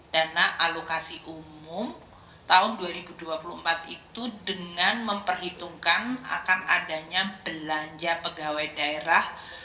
dana alokasi umum tahun dua ribu dua puluh empat itu dengan memperhitungkan akan adanya belanja pegawai daerah